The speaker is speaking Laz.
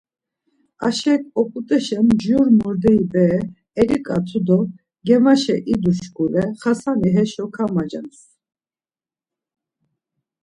Aşek oput̆eşen jur morderi bere eliǩatu do germaşa idu şkule Xasani heşo kamacans.